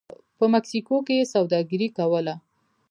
په مکسیکو کې یې سوداګري کوله